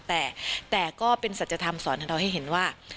แต่ก็เป็นสัจธรรมสอนให้เราให้เห็นว่า